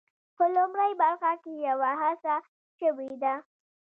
په لومړۍ برخه کې یوه هڅه شوې ده.